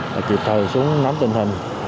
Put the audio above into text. thì kịp thời xuống nắm tình hình